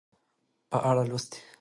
په اړه لوستي